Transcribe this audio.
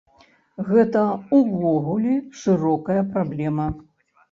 Гэта ўвогуле шырокая праблема.